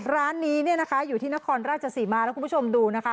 ร้านนี้เนี่ยนะคะอยู่ที่นครราชสีมาแล้วคุณผู้ชมดูนะคะ